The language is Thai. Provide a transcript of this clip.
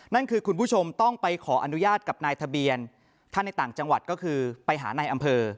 นั่นคือคุณผู้ชมต้องไปขออนุญาตกับนายทะเบียนถ้าในต่างจังหวัดก็คือไปหานายอำเภอ